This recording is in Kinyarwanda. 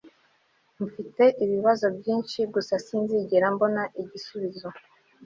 mfite ibibazo byinshi gusa sinzigera mbona igisubizo